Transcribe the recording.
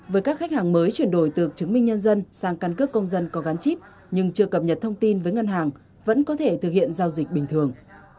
với các khách hàng mới chuyển đổi từ chứng minh nhân dân sang căn cước công dân có gắn chip nhưng chưa cập nhật thông tin với ngân hàng vẫn có thể thực hiện giao dịch bình thường